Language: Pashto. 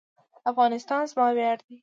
افغانستان زما ویاړ دی؟